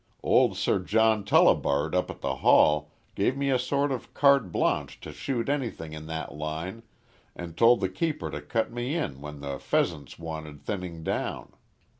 Old Sir John Tullibard up at the Hall gave me a sort of carte blanche to shoot anything in that line, and told the keeper to cut me in when the pheasants wanted thinning down.